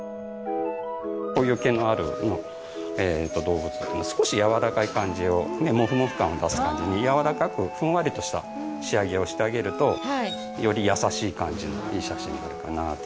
こういう毛のある動物だと少し柔らかい感じをモフモフ感を出す感じに柔らかくふんわりとした仕上げをしてあげるとより優しい感じのいい写真になるかなと。